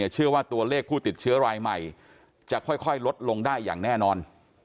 เชื่อว่าตัวเลขผู้ติดเชื้อรายใหม่จะค่อยลดลงได้อย่างแน่นอน